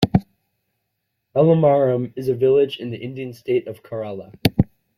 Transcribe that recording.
Elamaram is a village in the Indian state of Kerala.